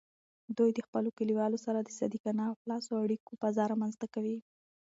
دوی د خپلو کلیوالو سره د صادقانه او خلاصو اړیکو فضا رامینځته کوي.